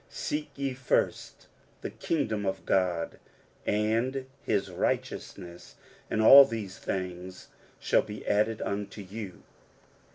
•• Seek ye first the kingdom of God and his righteousness, and all these things shall be added unto you."